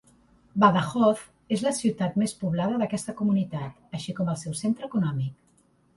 Badajoz és la ciutat més poblada d'aquesta comunitat, així com el seu centre econòmic.